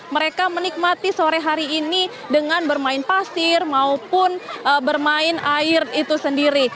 mereka menikmati sore hari ini dengan bermain pasir maupun bermain air itu sendiri